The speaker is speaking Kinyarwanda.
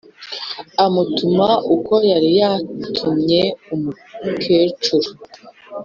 amutuma uko yari yatumye umukecuru.